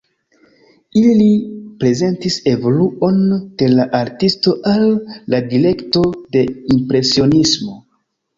Ili prezentis evoluon de la artisto al la direkto de impresionismo.